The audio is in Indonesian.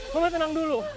mama tenang dulu